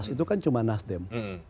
itu kan cuma nasdem